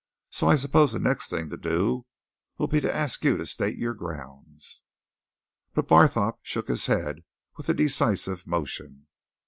So I suppose the next thing to do will be to ask you to state your grounds." But Barthorpe shook his head with a decisive motion.